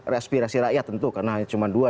respirasi rakyat tentu karena hanya cuma dua